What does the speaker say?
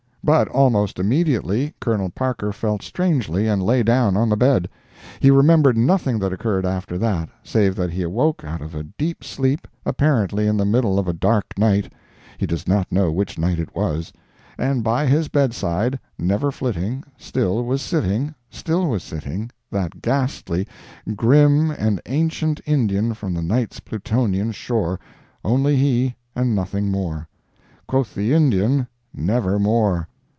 But almost immediately Colonel Parker felt strangely, and lay down on the bed. He remembered nothing that occurred after that, save that he awoke out of a deep sleep, apparently in the middle of a dark night—he does not know which night it was—and by his bedside, never flitting, still was sitting, still was sitting, that ghastly, grim and ancient Indian from the night's Plutonian shore—only he, and nothing more. Quoth the Indian, Nevermore.